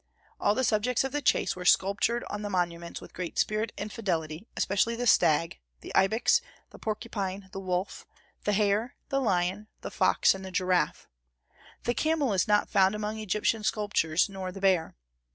All the subjects of the chase were sculptured on the monuments with great spirit and fidelity, especially the stag, the ibex, the porcupine, the wolf, the hare, the lion, the fox, and the giraffe. The camel is not found among the Egyptian sculptures, nor the bear.